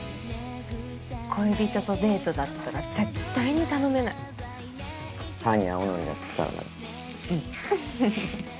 恋人とデートだったら絶対に頼めない。